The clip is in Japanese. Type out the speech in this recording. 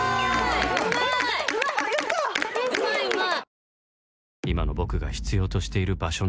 うまいうまい！